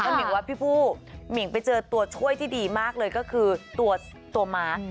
หมิ่งว่าพี่ผู้หมิ่งไปเจอตัวช่วยที่ดีมากเลยก็คือตัวม้า